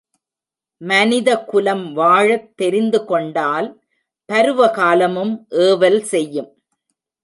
மனிதகுலம் வாழத் தெரிந்து கொண்டால் பருவ காலமும் ஏவல் செய்யும்.